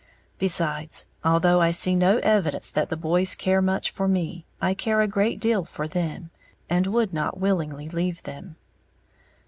Besides, although I see no evidence that the boys care much for me, I care a great deal for them, and would not willingly leave them.